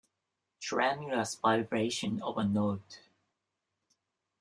Tremulous vibration of a note.